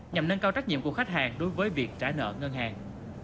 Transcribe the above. nhằm nâng cao trách nhiệm của khách hàng đối với việc trả nợ ngân hàng